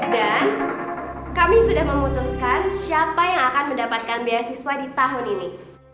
dan kami sudah memutuskan siapa yang akan mendapatkan beasiswa di tahun ini